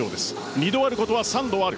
二度あることは三度ある。